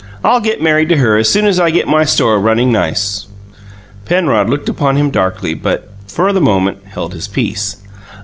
I'll get married to her as soon as I get my store running nice." Penrod looked upon him darkly, but, for the moment, held his peace.